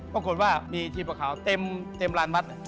ปรากฏว่ามีทีปะเข่าเต็ม๑ลานบัตร